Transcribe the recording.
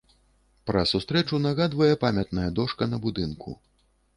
Пра сустрэчу нагадвае памятная дошка на будынку.